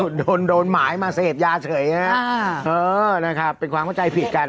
ยาเดินโดนหมายมาเศษยาเฉยอย่างน่ะอ้านี่นะครับเป็นความผัวใจผิดกัน